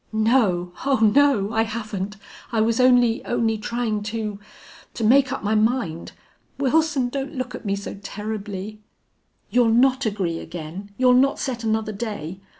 "No, oh no! I haven't! I was only only trying to to make up my mind. Wilson, don't look at me so terribly!" "You'll not agree again? You'll not set another day?"